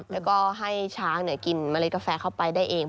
แล้วก็ให้ช้างกินเมล็ดกาแฟเข้าไปได้เอง